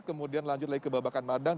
kemudian lanjut lagi ke babakan madang